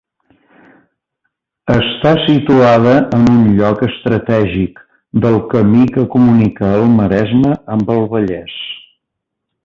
Està situada en un lloc estratègic del camí que comunica el Maresme amb el Vallès.